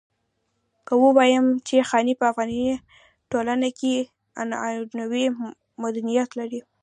که ووايم چې خاني په افغاني ټولنه کې عنعنوي مدنيت لري.